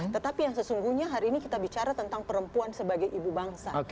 tetapi yang sesungguhnya hari ini kita bicara tentang perempuan sebagai ibu bangsa